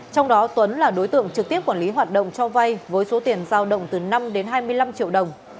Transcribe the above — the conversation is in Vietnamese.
trong đó tuấn là đối tượng trực tiếp quản lý hoạt động cho vay với số tiền giao động từ năm đến hai mươi năm triệu đồng